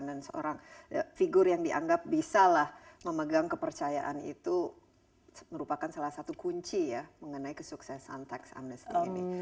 dan seorang figur yang dianggap bisa lah memegang kepercayaan itu merupakan salah satu kunci ya mengenai kesuksesan tax amnesty ini